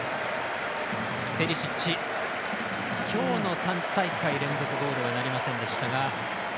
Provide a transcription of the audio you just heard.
ペリシッチ今日は３大会連続ゴールとはなりませんでしたが。